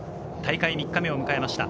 大会３日目を迎えました。